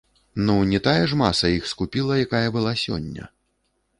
Ну, не тая ж маса іх скупіла, якая была сёння?